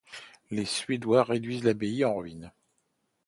Les Suédois réduisent l'abbaye en ruine.